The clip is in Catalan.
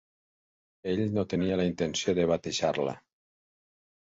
Ell no tenia la intenció de batejar-la.